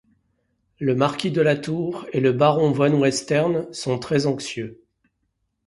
Le marquis de la Tours et le baron von Western sont très anxieux.